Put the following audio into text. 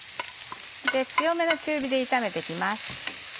強めの中火で炒めて行きます。